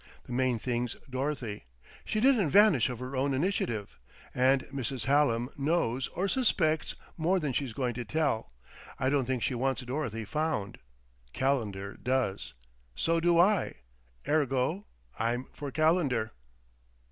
The main thing's Dorothy. She didn't vanish of her own initiative. And Mrs. Hallam knows, or suspects, more than she's going to tell. I don't think she wants Dorothy found. Calendar does. So do I. Ergo: I'm for Calendar."